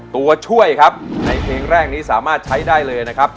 ตัวช่วยครับในเพลงแรกนี้สามารถใช้ได้เลยนะครับ